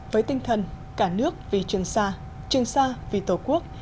với tinh thần cả nước vì trường xa trường xa vì tổ quốc